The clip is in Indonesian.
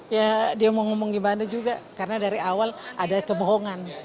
ya dia mau ngomong gimana juga karena dari awal ada kebohongan